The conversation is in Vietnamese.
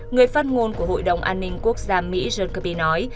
người phát ngôn của hội đồng an ninh quốc gia mỹ john kirby nói